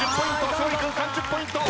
勝利君３０ポイント。